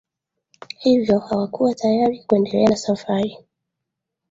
hivyo hawakuwa tayari kuendelea tenana safari